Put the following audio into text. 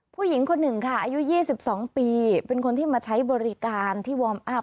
ผู้หญิงคนหนึ่งค่ะอายุ๒๒ปีเป็นคนที่มาใช้บริการที่วอร์มอัพ